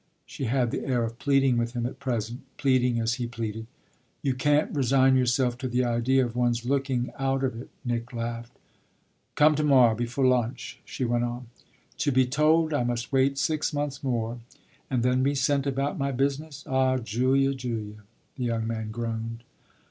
She had the air of pleading with him at present, pleading as he pleaded. "You can't resign yourself to the idea of one's looking 'out of it'!" Nick laughed. "Come to morrow, before lunch," she went on. "To be told I must wait six months more and then be sent about my business? Ah, Julia, Julia!" the young man groaned.